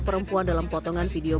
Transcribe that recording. perempuan dalam potongan video